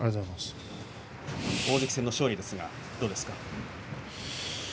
大関戦の勝利ですが、どうですか。